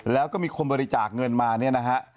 แล้วก็มีคนบริจาคเงินมาเนี่ยนะฮะ